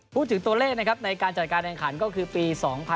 พูดถึงตัวเลขนะครับในการจัดการแข่งขันก็คือปี๒๐๑๖